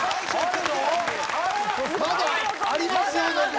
まだありますよ望みは。